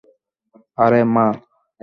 আরে, মা।